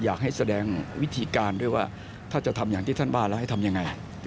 อย่างนี้รัฐบาลรู้